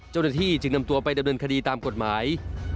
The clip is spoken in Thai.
เจ้าหน้าที่จึงนำตัวไปดำเนินคดีตามกฎหมาย